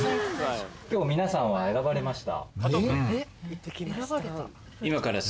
きょう皆さんは選ばれました。